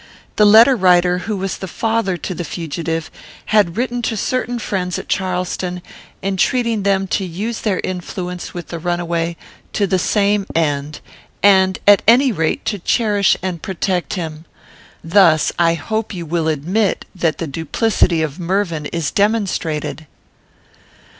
The letter writer, who was father to the fugitive, had written to certain friends at Charleston, entreating them to use their influence with the runaway to the same end, and, at any rate, to cherish and protect him. Thus, I hope you will admit that the duplicity of Mervyn is demonstrated."